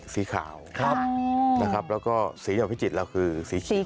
สีขาวนะครับแล้วก็สีจากพิจิตรเราคือสีเขียว